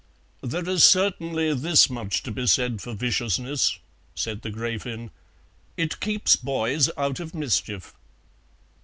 "There is certainly this much to be said for viciousness," said the Gräfin, "it keeps boys out of mischief."